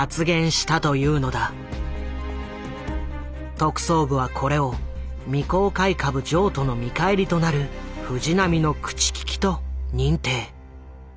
特捜部はこれを未公開株譲渡の見返りとなる藤波の口利きと認定。